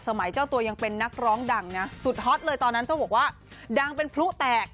เจ้าตัวยังเป็นนักร้องดังนะสุดฮอตเลยตอนนั้นเจ้าบอกว่าดังเป็นพลุแตก